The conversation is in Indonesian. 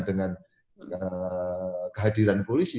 dengan kehadiran polisi